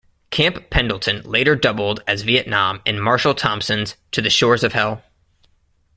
Camp Pendleton later doubled as Vietnam in Marshall Thompson's "To the Shores of Hell".